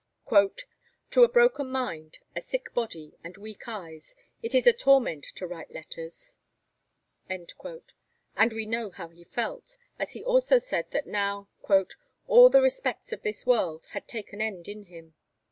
'To a broken mind, a sick body, and weak eyes, it is a torment to write letters,' and we know he felt, as he also said, that now 'all the respects of this world had taken end in him.'